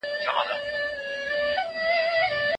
بڼوال په اوږه باندي ګڼ توکي راوړي وو.